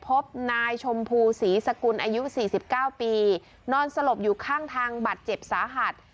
พบนายชมพูศรีสกุลอายุ๔๙ปีนอนสลบอยู่ข้างทางบัตรเจ็บสาหัส